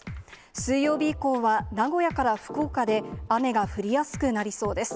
水曜日以降は名古屋から福岡で、雨が降りやすくなりそうです。